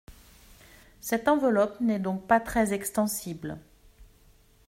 Cette enveloppe n’est donc pas très extensible.